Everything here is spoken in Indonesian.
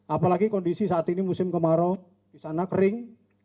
apalagi kondisi saat ini musim kemarau di sana kering